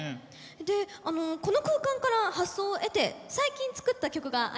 でこの空間から発想を得て最近作った曲がありますよね？